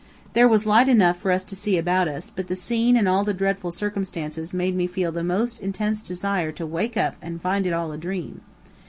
There was light enough for us to see about us, but the scene and all the dreadful circumstances made me feel the most intense desire to wake up and find it all a dream.